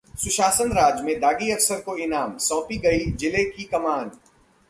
सुशासन राज में दागी अफसर को इनाम, सौंपी गई जिले की कमान